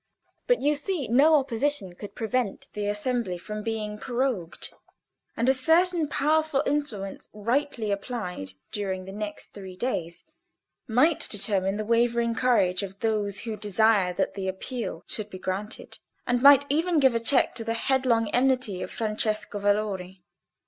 But, you see, no opposition could prevent the assembly from being prorogued, and a certain powerful influence rightly applied during the next three days might determine the wavering courage of those who desire that the Appeal should be granted, and might even give a check to the headlong enmity of Francesco Valori.